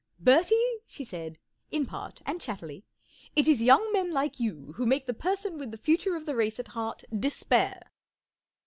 44 Bertie," she said—in part and chattily— 44 it is young men like you who make the person with the future of the race at heart despair